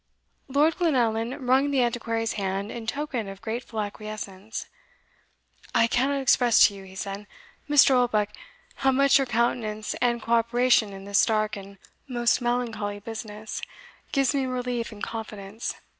Lord Glenallan wrung the Antiquary's hand in token of grateful acquiescence. "I cannot express to you," he said, "Mr. Oldbuck, how much your countenance and cooperation in this dark and most melancholy business gives me relief and confidence.